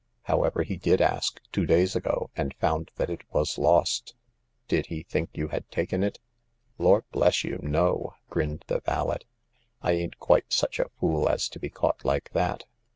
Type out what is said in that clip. However, he did ask two days ago, and found that it was lost." " Did he think you had taken it ?"" Lor' bless you, no !" grinned the valet. " I ain't quite such a fool as to be caught like that.